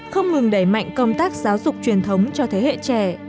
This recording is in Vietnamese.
không ngừng đẩy mạnh công tác giáo dục truyền thống cho thế hệ trẻ